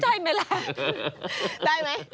รับภาษาใจ